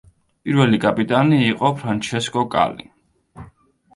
პირველი კაპიტანი იყო ფრანჩესკო კალი.